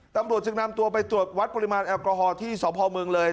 ตำรวจจึงนำตัวไปตรวจวัดปริมาณแอลกอฮอล์ที่สพเมืองเลย